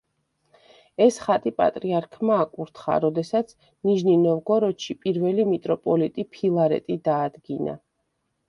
ეს ხატი პატრიარქმა აკურთხა, როდესაც ნიჟნი-ნოვგოროდში პირველი მიტროპოლიტი ფილარეტი დაადგინა.